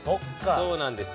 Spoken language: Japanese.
そうなんです。